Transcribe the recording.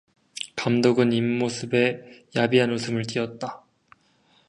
감독은 입 모습에 야비한 웃음을 띠었다.